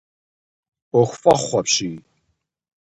Ӏуэху фӏэхъу апщий.